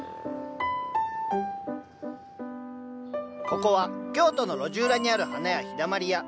ここは京都の路地裏にある花屋「陽だまり屋」。